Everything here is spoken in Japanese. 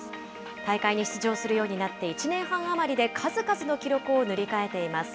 大会に出場するようになって１年半余りで数々の記録を塗り替えています。